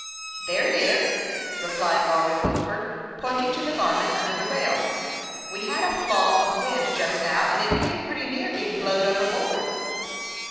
" There it is," replied Lawry Wilford, pointing to the garment under the rail. " We had a flaw of wind just now, and it came pretty near being blowed overboard."